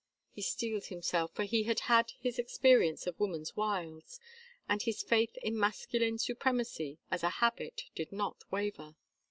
He steeled himself, for he had had his experience of woman's wiles; and his faith in masculine supremacy as a habit did not waver.